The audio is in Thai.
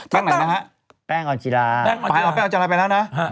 แป้งไหนนะฮะแป้งอ่อนจีระแป้งอ่อนจีระแป้งอ่อนจีระไปแล้วนะ